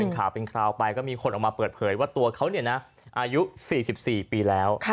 ข่าวเป็นคราวไปก็มีคนออกมาเปิดเผยว่าตัวเขาอายุ๔๔ปีแล้ว